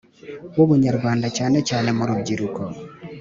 w Ubunyarwanda cyane cyane mu rubyiruko